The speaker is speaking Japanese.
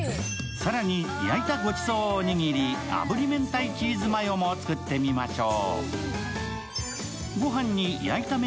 更に焼いたごちそうおにぎりあぶり明太チーズマヨも作ってみましょう。